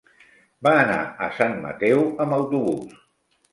Va anar a Sant Mateu amb autobús.